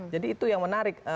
jadi itu yang menarik